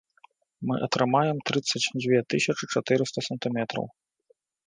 Мы атрымаем трыццаць дзве тысячы чатырыста сантыметраў.